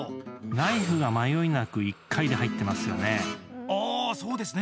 ナイフが迷いなく１回で入っていますよね？